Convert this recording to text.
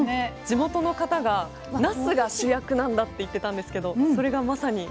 地元の方がなすが主役なんだって言ってたんですけどそれがまさに。